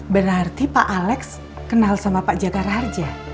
berarti pak alex kenal sama pak jagara harja